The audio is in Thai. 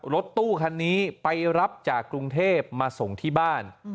รถตู้คันนี้ไปรับจากกรุงเทพมาส่งที่บ้าน